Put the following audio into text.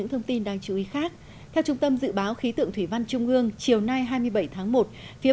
hãy đăng ký kênh để ủng hộ kênh của mình nhé